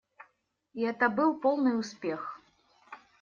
И это был полный успех.